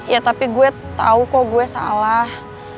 ya tapi gue tau kok gue salah